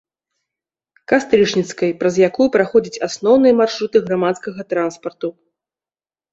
Кастрычніцкай, праз якую праходзяць асноўныя маршруты грамадскага транспарту.